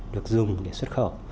được dùng để xuất khẩu